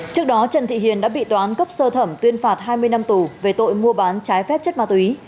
trước đó trần thị hiền đã bị toán cấp sơ thẩm tuyên phạt hai mươi năm tù về tội mua bán trái phép chất ma túy